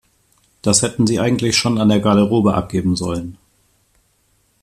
Das hätten Sie eigentlich schon an der Garderobe abgeben sollen.